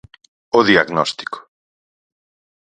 O diagnóstico.